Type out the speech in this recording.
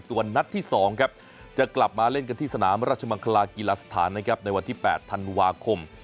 ส่วนนัดที่๒ครับจะกลับมาเล่นกันที่สนามราชมังคลากีฬาสถานนะครับในวันที่๘ธันวาคม